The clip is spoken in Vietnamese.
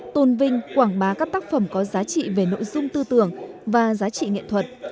tôn vinh quảng bá các tác phẩm có giá trị về nội dung tư tưởng và giá trị nghệ thuật